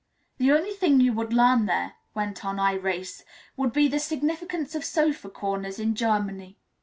"The only thing you would learn there," went on Irais, "would be the significance of sofa corners in Germany.